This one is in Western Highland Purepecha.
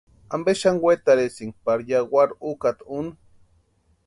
¿Ampe xani wetarhisïnki pari yawarhi úkata úni?